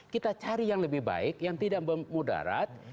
kita cari yang lebih baik yang tidak mudarat